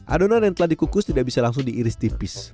adonan yang telah dikukus tidak bisa langsung diiris tipis